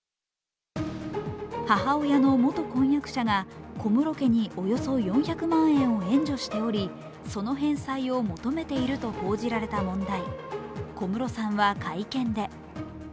母親の元婚約者が小室家におよそ４００万円を援助しており、その返済を求めていると報じられた問題。